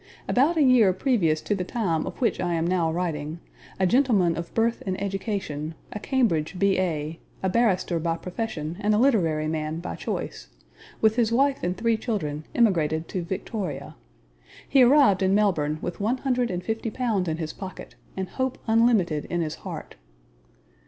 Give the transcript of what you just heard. About a year previous to the time of which I am now writing, a gentleman of birth and education, a Cambridge B. A., a barrister by profession and a literary man by choice, with his wife and three children emigrated to Victoria. He arrived in Melbourne with one hundred and fifty pounds in his pocket, and hope unlimited in his heart.